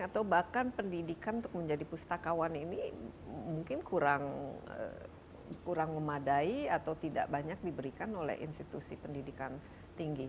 atau bahkan pendidikan untuk menjadi pustakawan ini mungkin kurang memadai atau tidak banyak diberikan oleh institusi pendidikan tinggi